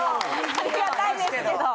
ありがたいですけど。